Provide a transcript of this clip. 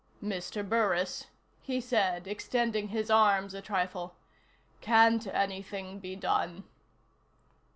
"Mr. Burris," he said, extending his arms a trifle, "can't anything be done?"